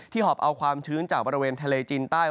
หอบเอาความชื้นจากบริเวณทะเลจีนใต้